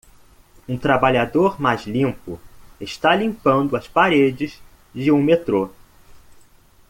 Um trabalhador mais limpo está limpando as paredes de um metrô.